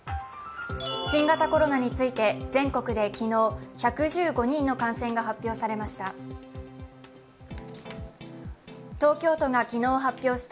新型コロナについて全国で昨日、１１５人の感染が発表されました。